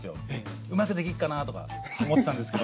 うまくできっかなとか思ってたんですけど。